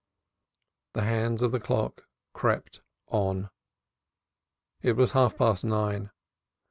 The hands of the clock crept on. It was half past nine.